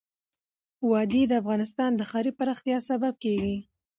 وادي د افغانستان د ښاري پراختیا سبب کېږي.